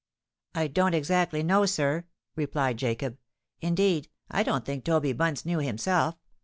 "I don't exactly know, sir," replied Jacob. "Indeed, I don't think Toby Bunce knew himself.